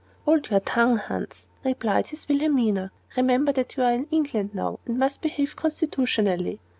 "Hold your tongue, Hans," cried his Wilhelmina; "remember that you are in England now, and must behave constitutionally.